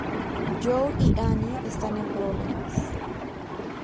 Joe y Annie están en problemas.